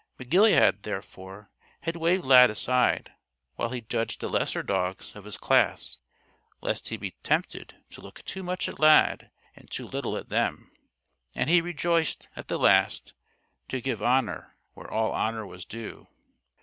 McGilead, therefore, had waved Lad aside while he judged the lesser dogs of his class, lest he be tempted to look too much at Lad and too little at them; and he rejoiced, at the last, to give honor where all honor was due.